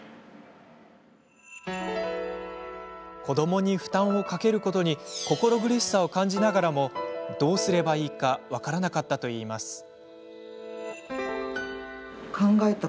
子どもに負担をかけることに心苦しさを感じながらもどうすればいいか分からなかったといいます。